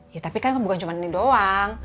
ya tapi kan bukan cuma ini doang